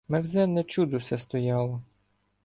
Мерзенне чудо се стояло